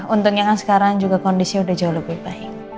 untungnya mas karan juga kondisinya udah jauh lebih baik